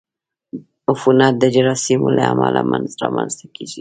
عفونت د جراثیمو له امله رامنځته کېږي.